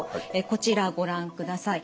こちらご覧ください。